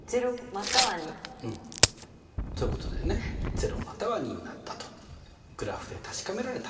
０または２になったとグラフで確かめられたと。